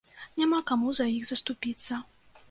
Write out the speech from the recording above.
Няма каму за іх заступіцца.